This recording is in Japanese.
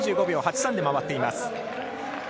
２５秒８３で回っています。